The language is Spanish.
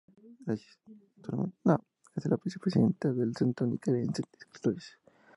Actualmente es la Vicepresidenta del Centro Nicaragüense de Escritores.